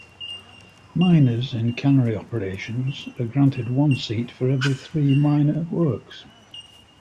Minors in cannery operations are granted one seat for every three minor workers.